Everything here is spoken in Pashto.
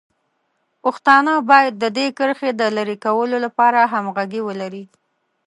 پښتانه باید د دې کرښې د لرې کولو لپاره همغږي ولري.